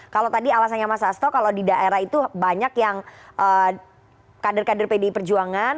kalau tadi alasannya mas asto kalau di daerah itu banyak yang kader kader pdi perjuangan